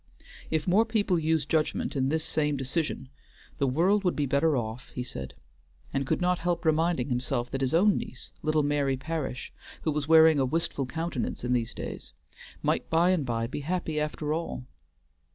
"If more people used judgment in this same decision the world would be better off," he said, and could not help reminding himself that his own niece, little Mary Parish, who was wearing a wistful countenance in these days, might by and by be happy after all.